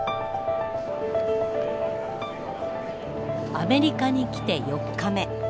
アメリカに来て４日目。